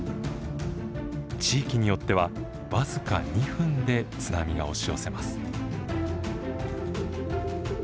地域によっては僅か２分で津波が押し寄せます。